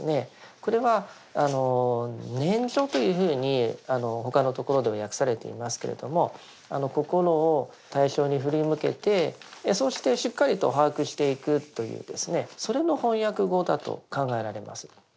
これは念処というふうに他のところでは訳されていますけれども心を対象に振り向けてそしてしっかりと把握していくというですねそれの翻訳語だと考えられます。